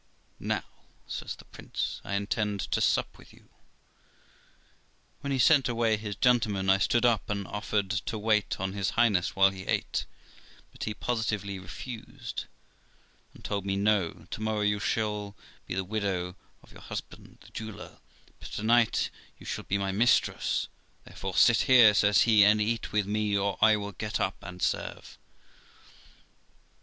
'Now', says the prince, 'I intend to sup with you.' When he sent away his gentleman, I stood up and offered to wait on his Highness while he ate; but he positively refused, and told me, 'No; to morrow you shall be the widow of Monsieur , the jeweller, but to night you shall be my mistress ; therefore sit here ', says he, ' and eat with me, or I wilt get up and serve.'